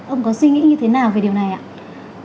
ông có suy nghĩ như thế nào về điều này ạ